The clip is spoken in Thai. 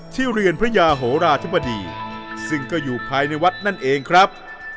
เรือนพระยาโหราธิบดีซึ่งก็อยู่ภายในวัดนั่นเองครับ